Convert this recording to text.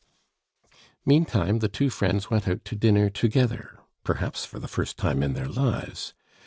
Meantime the two friends went out to dinner together, perhaps for the first time in their lives.